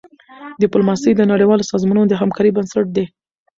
ډيپلوماسي د نړیوالو سازمانونو د همکارۍ بنسټ دی.